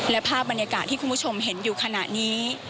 และภาพบรรยากาศที่คุณผู้ชมเห็นอยู่ขณะนี้